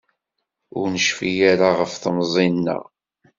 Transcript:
Ur necfi ara ɣef temẓi-nneɣ.